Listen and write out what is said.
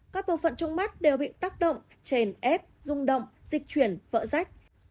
các bộ phận trong mắt đều bị tác động chèn ép rung động dịch chuyển vỡ rác